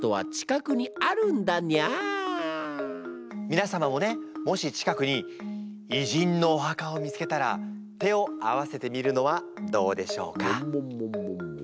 みな様もねもし近くに偉人のお墓を見つけたら手を合わせてみるのはどうでしょうか？